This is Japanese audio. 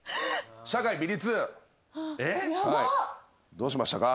どうしましたか？